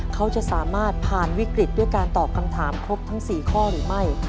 เขาจะสามารถผ่านวิกฤตด้วยการตอบคำถามครบทั้ง๔ข้อหรือไม่